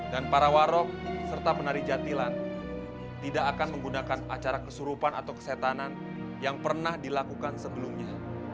dan para warog serta penari jatilan tidak akan menggunakan acara kesurupan atau kesetanan yang pernah dilakukan sebelumnya